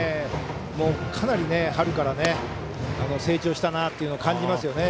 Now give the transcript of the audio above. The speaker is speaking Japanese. かなり春から成長したなっていうのを感じますよね。